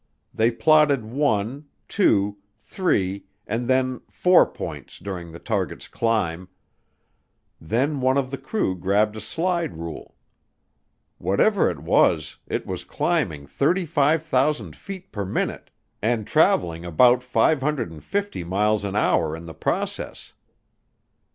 They plotted one, two, three, and then four points during the target's climb; then one of the crew grabbed a slide rule. Whatever it was, it was climbing 35,000 feet per minute and traveling about 550 miles an hour in the process.